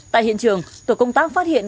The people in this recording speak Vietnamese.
tại hiện trường tổ công tác phát hiện